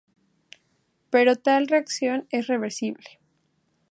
Pero tal reacción es reversible.